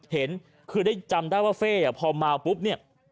เห็นคือได้จำได้ว่าเฟ่พอเมาปุ๊บเนี่ย